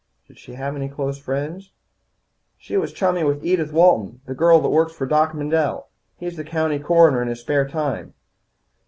"Did she have any close friends?" "She was chummy with Edith Walton, the girl that works for Doc Mendel. He's county coroner in his spare time.